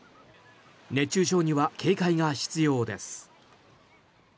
熱中症には警戒が必要です。